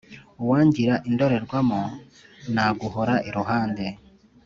Uwangira indorerwamo naguhora iruhande